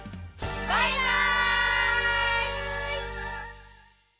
バイバイ！